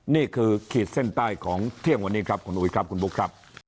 ขีดเส้นใต้ของเที่ยงวันนี้ครับคุณอุ๊ยครับคุณบุ๊คครับ